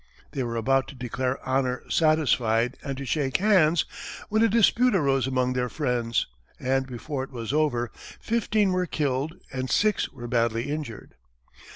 They were about to declare honor satisfied and to shake hands, when a dispute arose among their friends, and before it was over, fifteen were killed and six were badly injured.